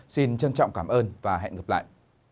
xin trân trọng cảm ơn và hẹn gặp lại